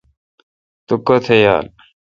تو کوتھ یال۔